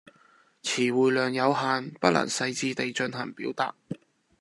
辭彙量有限，不能細致地進行表達